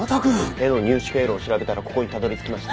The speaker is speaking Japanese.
絵の入手経路を調べたらここにたどりつきました。